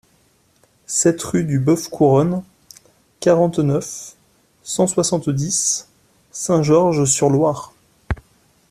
sept rue du Boeuf Couronne, quarante-neuf, cent soixante-dix, Saint-Georges-sur-Loire